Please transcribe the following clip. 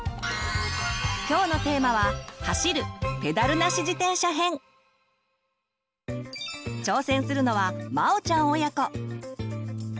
今日のテーマは挑戦するのはまおちゃん親子。